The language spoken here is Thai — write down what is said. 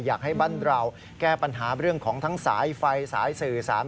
อยากให้บ้านเราแก้ปัญหาเรื่องของทั้งสายไฟสายสื่อสาร